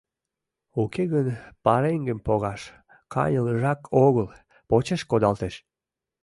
Уке гын пареҥгым погаш каньылыжак огыл, почеш кодалтеш.